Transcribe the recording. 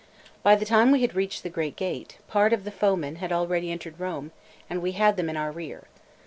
By the time we had reached the great gate, part of the foemen had already entered Rome, and we had them in our rear.